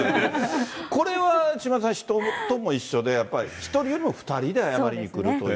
これは島田さん、人も一緒で、やっぱり１人よりも２人で謝りに来るという。